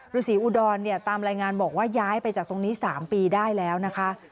ฤษีอุดรเนี่ยตามรายงานบอกว่าย้ายไปจากตรงนี้๓ปีได้แล้วนะคะ